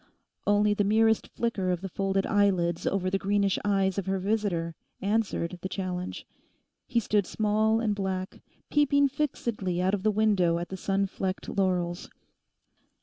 Only the merest flicker of the folded eyelids over the greenish eyes of her visitor answered the challenge. He stood small and black, peeping fixedly out of the window at the sunflecked laurels.